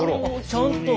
ちゃんと。